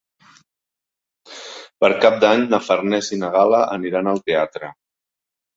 Per Cap d'Any na Farners i na Gal·la aniran al teatre.